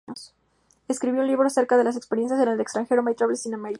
Escribió un libro acerca de sus experiencias en el extranjero, "My Travels in America".